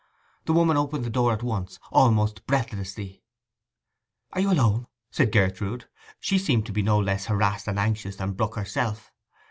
The woman opened the door at once, almost breathlessly. 'Are you alone?' said Gertrude. She seemed to be no less harassed and anxious than Brook herself.